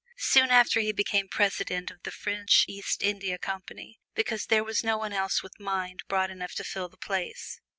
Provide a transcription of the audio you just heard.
Soon after he became President of the French East India Company, because there was no one else with mind broad enough to fill the place.